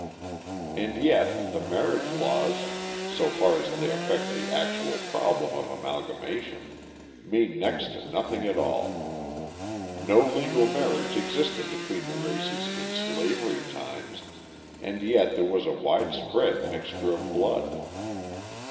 And yet, the marriage laws, so far as they affect the actual problem of amalgamation, mean next to nothing at all. No legal marriage existed between the races in slavery times and yet there was a widespread mixture of blood.